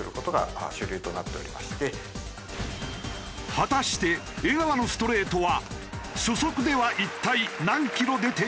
果たして江川のストレートは初速では一体何キロ出ていたのか？